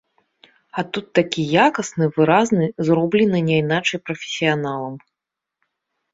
А тут такі якасны, выразны, зроблены няйначай прафесіяналам.